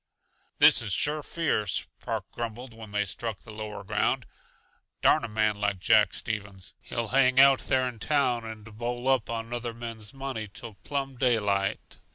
"This is sure fierce," Park grumbled when they struck the lower ground. "Darn a man like Jack Stevens! He'll hang out there in town and bowl up on other men's money till plumb daylight.